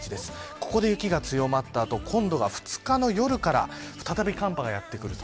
ここで雪が強まったあと今度は２日の夜から再び寒波がやってくると。